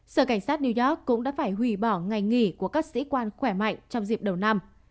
sở cảnh sát new york cũng đã phải hủy bỏ ngày nghỉ của các sĩ quan khỏe mạnh trong dịp đầu năm